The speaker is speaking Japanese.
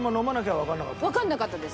わかんなかったです。